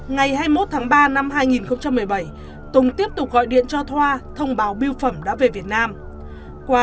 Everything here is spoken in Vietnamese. ngày hai mươi một tháng ba năm hai nghìn một mươi bảy tùng tiếp tục gọi điện cho thoa thông báo biêu phẩm đã về việt nam